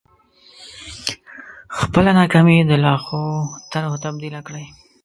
خپله ناکامي د لا ښو طرحو تبديله کړئ.